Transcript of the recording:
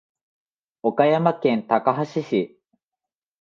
岡山県高梁市